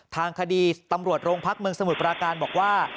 ทางคดีตำรวจโรงพักเมืองสมุทรปราการบอกว่า